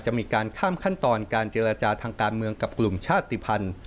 มีการข้ามขั้นตอนการเจรจาทางการเมืองกับกลุ่มชาติภัณฑ์